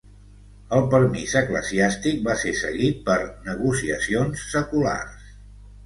El permís eclesiàstic va ser seguit per negociacions seculars.